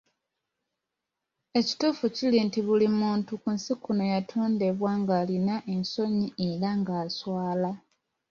Ekituufu kiri nti buli muntu ku nsi kuno yatondebwa ng'alina ensonyi era nga aswala.